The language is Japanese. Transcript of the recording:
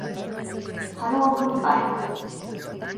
ハローグッバイ